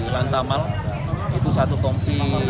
lantamal itu satu kompi